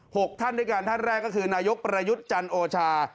หกท่านด้วยกันท่านแรกก็คือนายกประยุทธ์จันโอชา